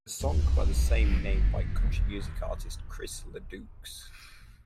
A song by the same name by country music artist Chris LeDoux.